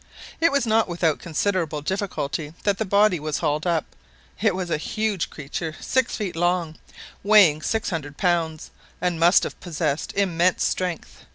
It was not without considerable difficulty that the body was hauled up. It was a huge creature, six feet long, weighing six hundred pounds, and must have possessed immense strength.